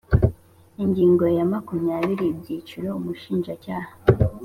Ingingo ya makumyabiri Ibyiciro Umushinjacyaha